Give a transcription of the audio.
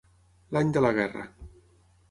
L'any de la guerra.